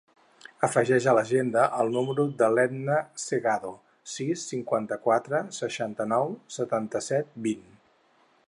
Afegeix a l'agenda el número de l'Edna Segado: sis, cinquanta-quatre, seixanta-nou, setanta-set, vint.